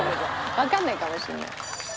わかんないかもしれない。